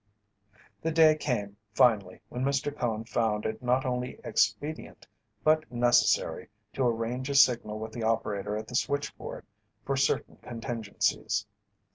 The day came, finally, when Mr. Cone found it not only expedient but necessary to arrange a signal with the operator at the switchboard for certain contingencies.